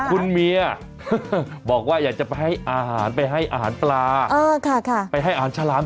คุณเมียบอกว่าอยากจะไปให้อาหารไปให้อาหารปลา